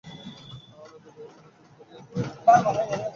আনন্দময়ী মুখ উজ্জ্বল করিয়া কহিলেন, আহা, তোমার কথা শুনে বড়ো আনন্দ হল।